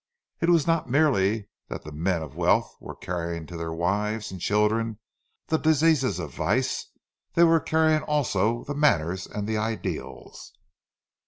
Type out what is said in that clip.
It was not merely that the men of wealth were carrying to their wives and children the diseases of vice; they were carrying also the manners and the ideals.